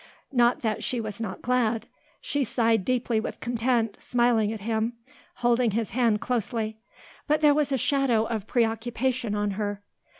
Not that she was not glad; she sighed deeply with content, smiling at him, holding his hand closely; but there was a shadow of preoccupation on her.